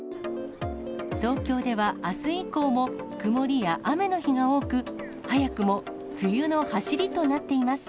東京ではあす以降も、曇りや雨の日が多く、早くも梅雨のはしりとなっています。